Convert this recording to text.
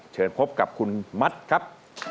เชิญพบกับคุณมัดครับ